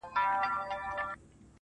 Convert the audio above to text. يوې نجلۍ ساعت کي څو رنگه رنگونه راوړل_